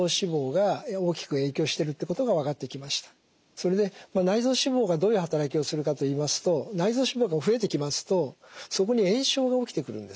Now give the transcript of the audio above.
それで内臓脂肪がどういう働きをするかと言いますと内臓脂肪が増えてきますとそこに炎症が起きてくるんですね。